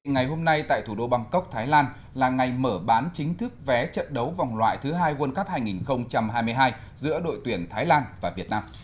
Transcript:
ngày hôm nay tại thủ đô bangkok thái lan là ngày mở bán chính thức vé trận đấu vòng loại thứ hai world cup hai nghìn hai mươi hai giữa đội tuyển thái lan và việt nam